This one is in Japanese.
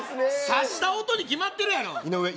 刺した音に決まってるやろ井上